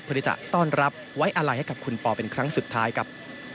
ที่จะต้อนรับไว้อะไรให้กับคุณปอเป็นครั้งสุดท้ายครับ